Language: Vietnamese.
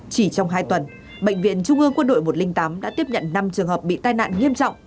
chỉ trong hai tuần bệnh viện trung ương quân đội một trăm linh tám đã tiếp nhận năm trường hợp bị tai nạn nghiêm trọng